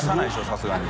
さすがに。